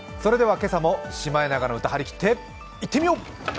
今朝も「シマエナガの歌」張り切って、いってみよう！